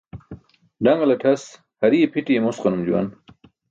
Ḍaṅlatʰas hariye phiṭiye mosqanum juwan